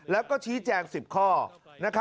แล้วก็ชี้แจง๑๐ข้อ